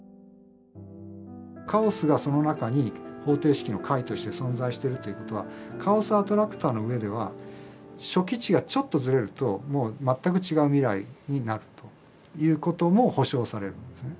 カオスがその中に方程式の解として存在してるということはカオスアトラクターの上では初期値がちょっとずれるともう全く違う未来になるということも保証されるんですよね。